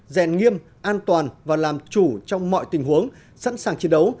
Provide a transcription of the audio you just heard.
rèn nghiêm an toàn và làm chủ trong mọi tình huống sẵn sàng chiến đấu